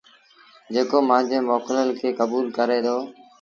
جيڪو مآݩجي موڪلل کي ڪبوٚل ڪري دو